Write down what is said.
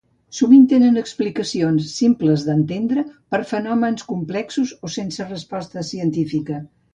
Sovint tenen explicacions simples d'entendre per a fenòmens complexos o sense resposta científica.